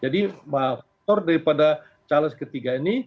jadi faktor daripada charles iii ini